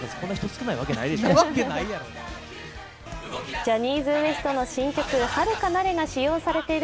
ジャニーズＷＥＳＴの新曲「ハルカナレ」が使用されている